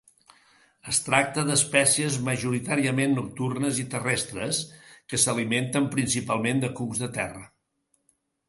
Es tracta d'espècies majoritàriament nocturnes i terrestres, que s'alimenten principalment de cucs de terra.